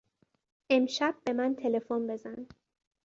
امشب به من تلفن بزن.